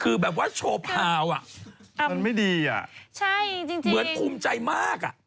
คือแบบว่าโชว์พาวอ่ะมันไม่ดีอ่ะใช่จริงเหมือนภูมิใจมากอ่ะ